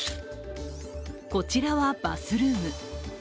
こちらはバスルーム。